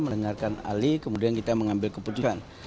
mendengarkan alih kemudian kita mengambil keputusan